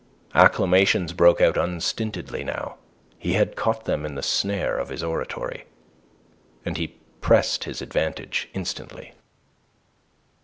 Acclamations broke out unstintedly now. He had caught them in the snare of his oratory. And he pressed his advantage instantly.